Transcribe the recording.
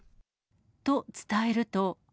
と、伝えると。